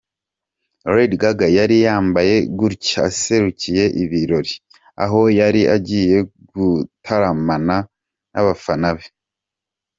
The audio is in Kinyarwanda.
Lady Gaga yari yambaye gutya aserukiye ibirori aho yari agiye gutaramana n'abafana be.